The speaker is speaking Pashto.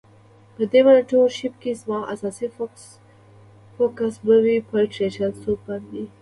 په دی مینټور شیپ کی زما اساسی فوکس به وی په ټرټل سوپ باندی.